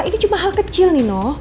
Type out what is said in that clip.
ini cuma hal kecil nino